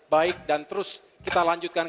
baik dan terus kita lanjutkan